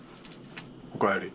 おかえり。